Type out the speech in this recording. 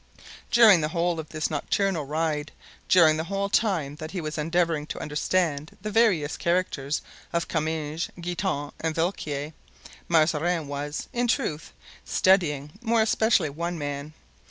During the whole of this nocturnal ride, during the whole time that he was endeavoring to understand the various characters of Comminges, Guitant and Villequier, Mazarin was, in truth, studying more especially one man.